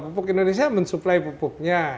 pupuk indonesia mensupply pupuknya